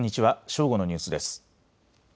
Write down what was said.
正午のニュースです。